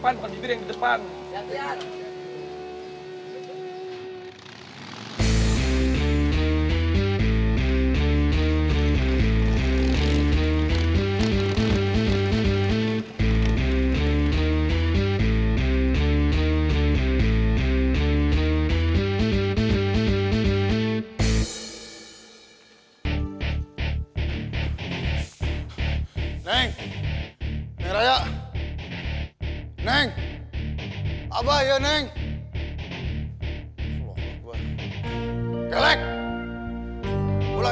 ada dua abang bisa ke kolom lu lah